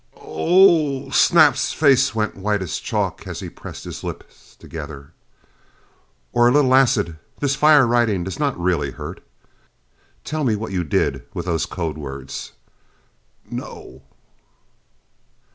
"Oh!" Snap's face went white as chalk as he pressed his lips together. "Or a little acid? This fire writing does not really hurt? Tell me what you did with those code words!" "No!"